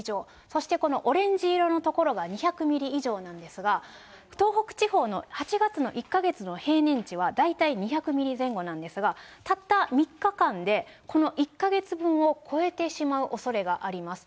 そしてこのオレンジ色の所が２００ミリ以上なんですが、東北地方の８月の１か月の平年値は大体２００ミリ前後なんですが、たった３日間で、この１か月分を超えてしまうおそれがあります。